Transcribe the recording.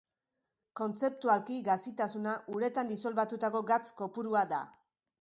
Kontzeptualki gazitasuna uretan disolbatutako gatz kopurua da.